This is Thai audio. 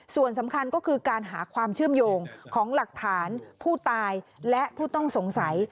ส่วนสำคัญก็คือการหาความเชื่อมโยงของหลักฐานผู้ตายและผู้ต้องสงสัย